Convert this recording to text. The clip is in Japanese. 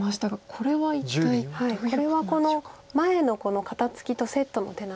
これはこの前の肩ツキとセットの手なんですけど。